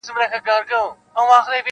خدایه مینه د قلم ورکي په زړو کي.